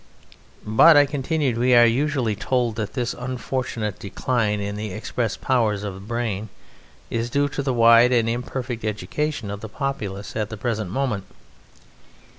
"But," I continued, "we are usually told that this unfortunate decline in the express powers of the brain is due to the wide and imperfect education of the populace at the present moment."